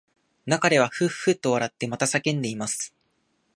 中ではふっふっと笑ってまた叫んでいます